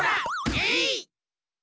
えい！